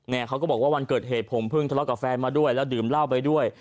เขาก็บอกว่าวันเกิดเหตุผมเพิ่งทะเลาะกับแฟนมาด้วยแล้วดื่มเหล้าไปด้วย